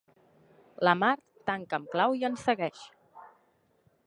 La Mar tanca amb clau i ens segueix.